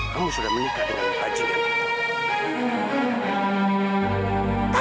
kamu sudah menikah dengan bajingan itu